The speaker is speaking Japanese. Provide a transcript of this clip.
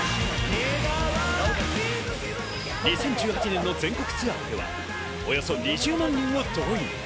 ２０１８年の全国ツアーには、およそ２０万人を動員。